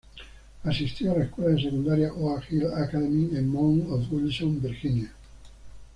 Asistió a la escuela de secundaria Oak Hill Academy en Mouth of Wilson, Virginia.